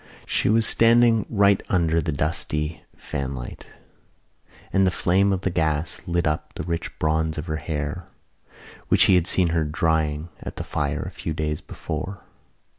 She was standing right under the dusty fanlight and the flame of the gas lit up the rich bronze of her hair, which he had seen her drying at the fire a few days before.